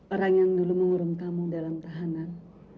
orang yang dulu mengurung kamu dalam tahanan